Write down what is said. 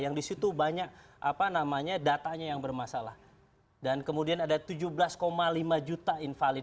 yang disitu banyak apa namanya datanya yang bermasalah dan kemudian ada tujuh belas lima juta invalid